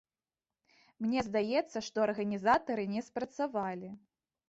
Мне здаецца, што арганізатары не спрацавалі.